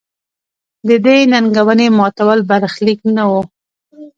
د دې ننګونې ماتول برخلیک نه و.